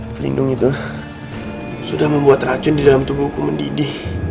pelindung itu sudah membuat racun di dalam tubuhku mendidih